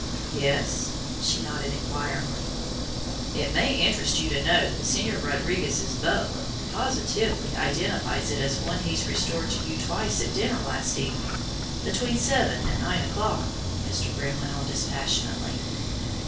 "Yes?" She nodded inquiringly. "It may interest you to know that Señor Rodriguez's butler positively identifies it as one he restored to you twice at dinner last evening, between seven and nine o'clock," Mr. Grimm went on dispassionately.